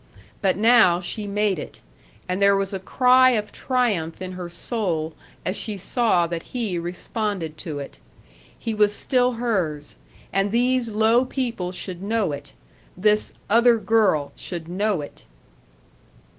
But now she made it, and there was a cry of triumph in her soul as she saw that he responded to it. He was still hers and these low people should know it, this "other girl" should know it!